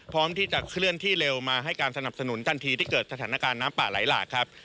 พร้อมที่จะเคลื่อนที่เร็วมาให้การสนับสนุนทันทีที่เกิดสถานการณ์น้ำป่าไหลหลากครับ